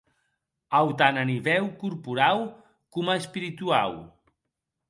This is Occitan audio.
Autant a nivèu corporau coma espirituau.